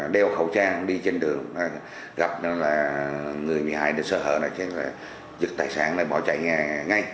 đeo khẩu trang đi trên đường gặp người bị hại sơ hờ giật tài sản bỏ chạy ngay